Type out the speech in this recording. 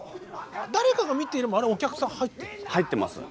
「誰かが、見ている」もあれお客さん入ってるんですか？